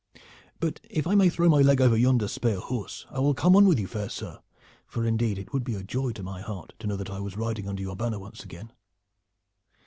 But if I may throw my leg over yonder spare horse I will come on with you, fair sir, for indeed it would be joy to my heart to know that I was riding under your banner once again."